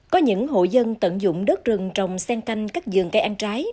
có những hộ dân tận dụng đất rừng trồng sen canh các giường cây ăn trái